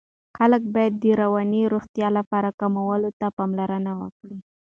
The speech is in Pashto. خلک باید د رواني روغتیا لپاره کولمو ته پاملرنه وکړي.